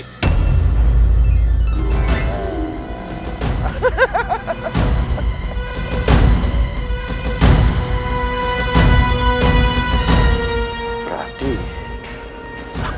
itu memang mereka melakukan edukasi mereka sendiri